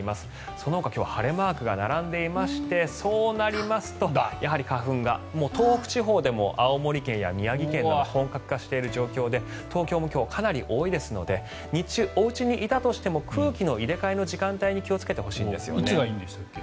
そのほか今日晴れマークが並んでいましてそうなりますと、やはり花粉が東北地方でも青森県や宮城県でも本格化している状況で東京も今日、かなり多いですので日中、おうちにいたとしても空気の入れ替えの時間帯にいつがいいんでしたっけ？